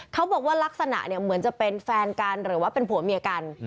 เขาบอกว่ารักษณะเหมือนจะเป็นแฟนกันหรือว่าเป็นผัวเมียกัน